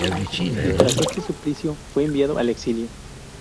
Y tras este suplicio fue enviado al exilio.